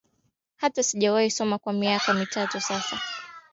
Hata sijawahi soma kwa miaka mitano sasa